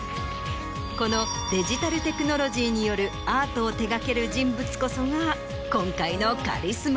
このデジタルテクノロジーによるアートを手掛ける人物こそが今回のカリスマ。